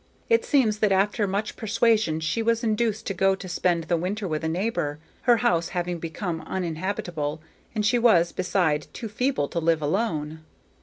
It seems that after much persuasion she was induced to go to spend the winter with a neighbor, her house having become uninhabitable, and she was, beside, too feeble to live alone.